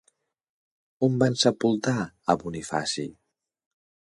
On van sepultar a Bonifaci?